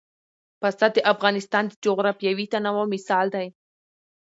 پسه د افغانستان د جغرافیوي تنوع مثال دی.